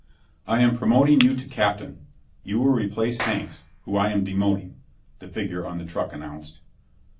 "I am promoting you to captain. You will replace Hanks, whom I am demoting," the figure on the truck announced.